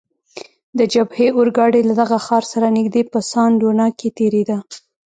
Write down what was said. د جبهې اورګاډی له دغه ښار سره نږدې په سان ډونا کې تیریده.